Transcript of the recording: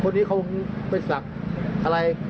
คนนี้เขาไปศักดิ์อะไร